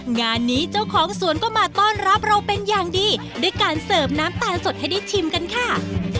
งานนี้เจ้าของสวนก็มาต้อนรับเราเป็นอย่างดีด้วยการเสิร์ฟน้ำตาลสดให้ได้ชิมกันค่ะ